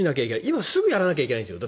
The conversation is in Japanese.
今すぐやらなきゃいけないんですよ。